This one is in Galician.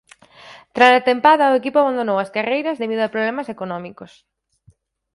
Tras a tempada o equipo abandonou as carreiras debido a problemas económicos.